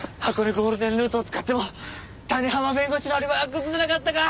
ゴールデンルートを使っても谷浜弁護士のアリバイは崩せなかったか！